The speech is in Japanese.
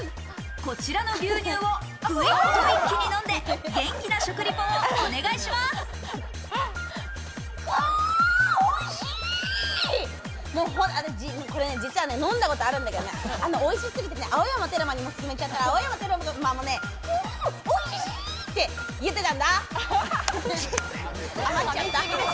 こちらの牛乳をグイッと一気に飲んで、元気な食リポをお願いします。